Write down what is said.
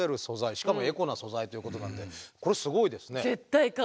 しかもエコな素材ということなんでこれすごいですね。